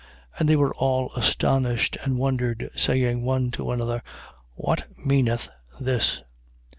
2:12. And they were all astonished, and wondered, saying one to another: What meaneth this?